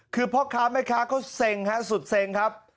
คือพ่อค้าแม่ค้าเขาเซ็งฮะสุดเซ็งครับ